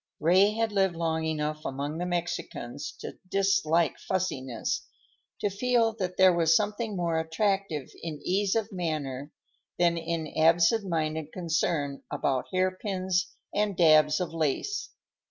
Ray had lived long enough among the Mexicans to dislike fussiness, to feel that there was something more attractive in ease of manner than in absentminded concern about hairpins and dabs of lace.